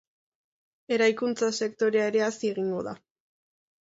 Eraikuntza sektorea ere hazi egingo da.